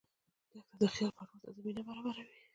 دښته د خیال پرواز ته زمینه برابروي.